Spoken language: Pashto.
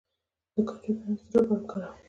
د کاجو دانه د زړه لپاره وکاروئ